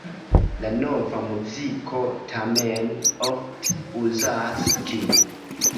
La Nova muziko tamen ofte uzas ĝin.